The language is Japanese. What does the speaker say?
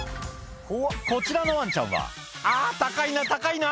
こちらのワンちゃんは「あぁ高いな高いな」